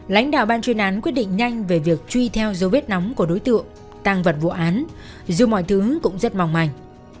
lãnh đạo ban chuyên án quyết định nhanh về việc truy theo dấu vết nóng của đối tượng tăng vật vụ án dù mọi thứ cũng rất mong manh